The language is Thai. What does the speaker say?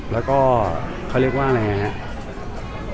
แล้วก็เขาเรียกว่าอะไรอย่างนี้ครับ